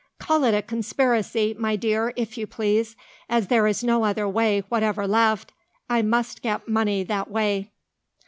"Call it a conspiracy, my dear, if you please. As there is no other way whatever left, I must get money that way."